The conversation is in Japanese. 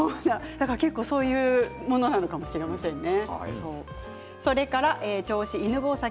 そういうものなのかもしれませんね。